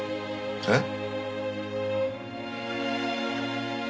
えっ？